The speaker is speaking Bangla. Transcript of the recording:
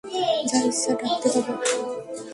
যা ইচ্ছা ডাকতে পারো।